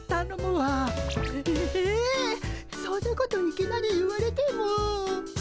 そんなこといきなり言われても。